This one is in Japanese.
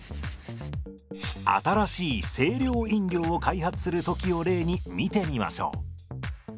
新しい清涼飲料を開発する時を例に見てみましょう。